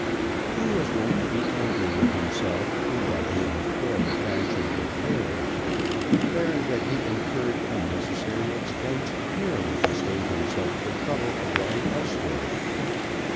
He was wont to be angry with himself in that he employed a fashionable tailor, declaring that he incurred unnecessary expense merely to save himself the trouble of going elsewhere.